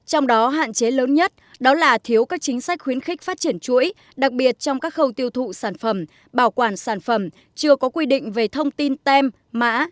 trong đó hạn chế lớn nhất đó là thiếu các chính sách khuyến khích phát triển chuỗi đặc biệt trong các khâu tiêu thụ sản phẩm bảo quản sản phẩm chưa có quy định về thông tin tem mã